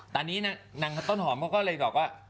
ตอนนี้นางต้นหอมเขาก็เลยบอกว่า